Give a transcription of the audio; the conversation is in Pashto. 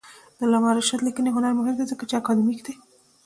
د علامه رشاد لیکنی هنر مهم دی ځکه چې اکاډمیک دی.